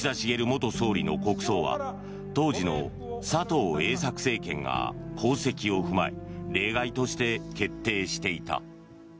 元総理の国葬は当時の佐藤栄作政権が功績を踏まえ例外として決定していた。